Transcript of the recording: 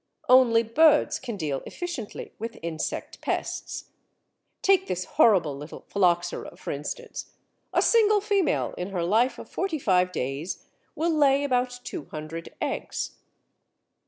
Only birds can deal efficiently with insect pests. Take this horrible little Phylloxera, for instance; a single female in her life of forty five days will lay about two hundred eggs.